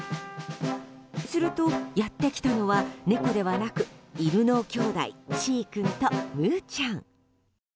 すると、やって来たのは猫ではなく犬のきょうだいちい君と、むうちゃん。